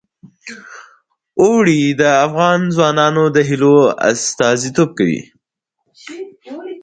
اوړي د افغان ځوانانو د هیلو استازیتوب کوي.